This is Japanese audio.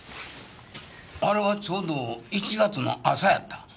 あれはちょうど１月の朝やった。